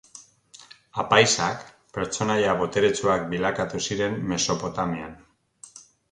Apaizak pertsonaia boteretsuak bilakatu ziren Mesopotamian.